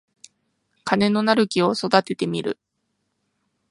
金のなる木を育ててみる